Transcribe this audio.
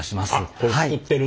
これ作ってる？